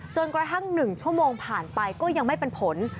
จนกระทั่ง๑ชั่วโมงผ่านไปก็ยังไม่เป็นผล